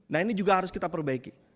nah ini juga harus kita perbaiki